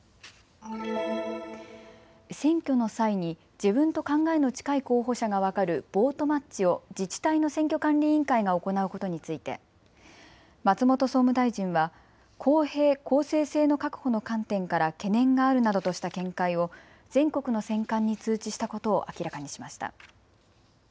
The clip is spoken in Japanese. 選挙の際に自分と考えの近い候補者が分かるボートマッチを自治体の選挙管理委員会が行うことについて松本総務大臣は公平・公正性の確保の観点から懸念があるなどとした見解を全国の選管に通知したことを明らかにしました。